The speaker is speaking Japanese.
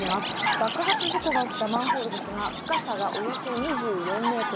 爆発事故が起きたマンホールですが、深さがおよそ２４メートル。